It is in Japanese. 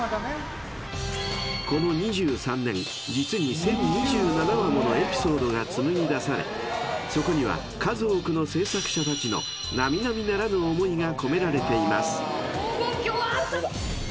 ［この２３年実に１，０２７話ものエピソードが紡ぎ出されそこには数多くの制作者たちの並々ならぬ思いが込められています］